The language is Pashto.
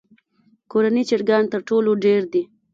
کورني چرګان تر ټولو ډېر دي.